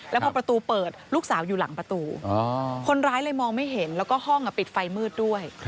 แล้วพอประตูเปิดลูกสาวอยู่หลังประตูคนร้ายเลยมองไม่เห็นแล้วก็ห้องปิดไฟมืดด้วย